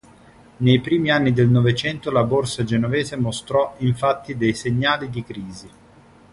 Nei primi anni del Novecento la borsa genovese mostrò, infatti, dei segnali di crisi.